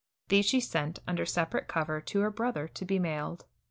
These she sent under separate cover to her brother to be mailed.